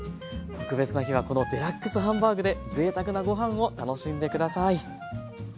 特別な日はこのデラックスハンバーグでぜいたくなご飯を楽しんで下さい。